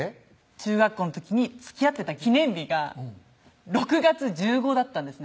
中学校の時につきあってた記念日が６月１５だったんですね